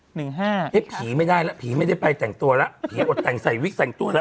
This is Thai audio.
หนึ่งห้าเอ๊ะผีไม่ได้แล้วผีไม่ได้ไปแต่งตัวแล้วผีอดแต่งใส่วิกแต่งตัวแล้ว